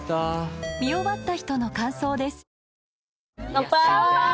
乾杯！